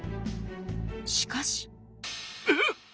しかし。えっ！